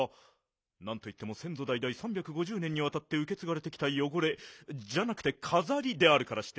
なんといってもせんぞだいだい３５０年にわたってうけつがれてきたよごれじゃなくてかざりであるからして。